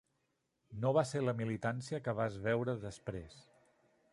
No va ser la militància que vas veure després.